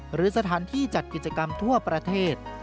หรือสถานที่จัดกิจกรรมทั่วประเทศ